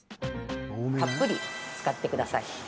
たっぷり使ってください。